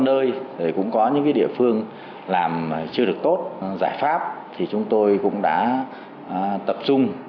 lúc có nơi cũng có những cái địa phương làm chưa được tốt giải pháp thì chúng tôi cũng đã tập trung